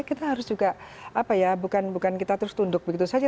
kita harus juga bukan kita terus tunduk begitu saja